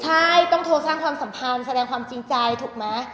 ใช่ต้องโทรสร้างความสัมพันธ์แสดงความจริงใจถูกไหม